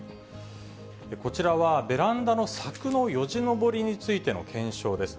こちらはベランダの柵のよじ登りについての検証です。